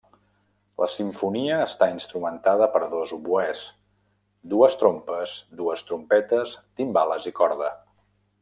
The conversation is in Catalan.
La simfonia està instrumentada per a dos oboès, dues trompes, dues trompetes, timbales i corda.